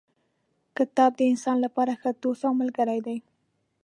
کتاب د انسان لپاره ښه دوست او ملګری دی.